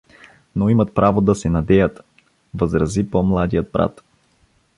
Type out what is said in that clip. — Но имат право да се надеят — възрази по-младият брат.